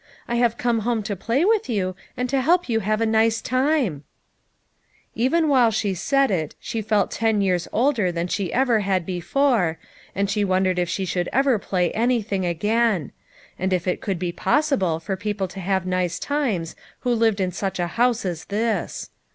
I have come home to play with you and help you have a nice time." 28 LITTLE FISHEES : AND THEIR NETS. Even while she said it, she felt ten years older than she ever had before, and she wondered if she should ever play anything again ; and if it could be possible for people to have nice times who lived in such a house as this.